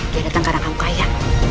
dia datang karena kamu kaya